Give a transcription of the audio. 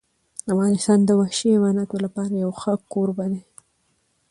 افغانستان د وحشي حیواناتو لپاره یو ښه کوربه دی.